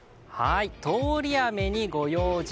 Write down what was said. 通り雨にご用心